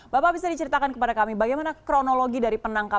bapak bisa diceritakan kepada kami bagaimana kronologi dari penangkapan